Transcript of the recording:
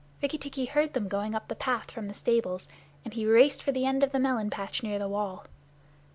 Rikki tikki heard them going up the path from the stables, and he raced for the end of the melon patch near the wall.